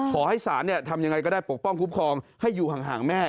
ขอให้ศาลทำยังไงก็ได้ปกป้องคุ้มครองให้อยู่ห่างแม่